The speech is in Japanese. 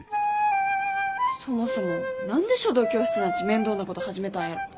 そもそも何で書道教室なんち面倒なこと始めたんやろ？